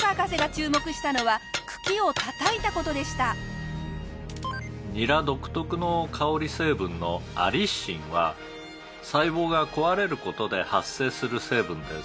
福岡博士が「ニラ独特の香り成分のアリシンは細胞が壊れる事で発生する成分です」